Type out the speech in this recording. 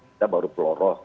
kita baru peloros